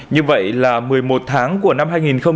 như vậy là một mươi một tháng của năm hai nghìn hai mươi